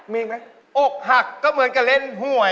มีไหมอกหักก็เหมือนกับเล่นหวย